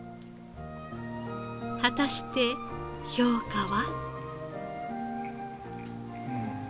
果たして評価は？